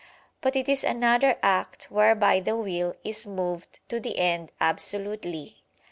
But it is another act whereby the will is moved to the end absolutely.